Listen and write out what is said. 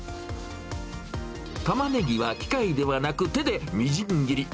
タマネギは機械ではなく、手でみじん切り。